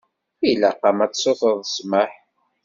Ilaq-am ad tsutreḍ ssmaḥ.